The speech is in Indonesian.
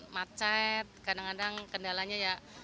macet kadang kadang kendalanya ya